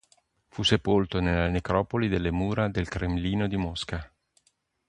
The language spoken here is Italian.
Fu sepolto nella necropoli delle mura del Cremlino di Mosca.